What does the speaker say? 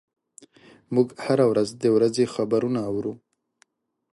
موږ هره ورځ د ورځې خبرونه اورو.